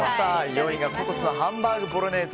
４位がココスのハンバーグボロネーゼ。